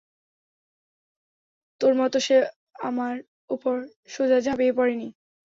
তোর মত সে আমার উপর সোজা ঝাপিয়ে পড়ে নি।